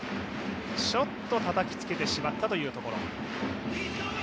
ちょっとたたきつけてしまったというところ。